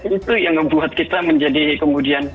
itu yang membuat kita menjadi kemudian